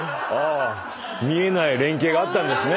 見えない連携があったんですね。